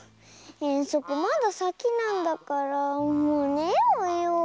えんそくまださきなんだからもうねようよ。